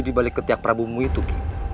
dibalik ketiak prabu mu itu ki